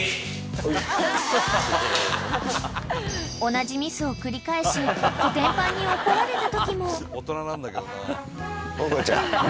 ［同じミスを繰り返しこてんぱんに怒られたときも］